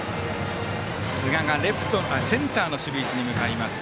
寿賀がセンターの守備位置に向かいます。